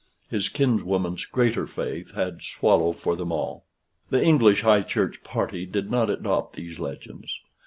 His kinswoman's greater faith had swallow for them all. The English High Church party did not adopt these legends.